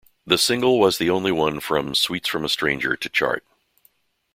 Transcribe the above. The single was the only one from "Sweets from a Stranger" to chart.